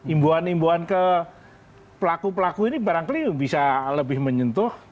imbuan imbuan ke pelaku pelaku ini barangkali bisa lebih menyentuh